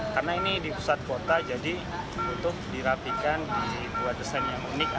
karena ini di pusat kota jadi butuh dirapikan buat desain yang unik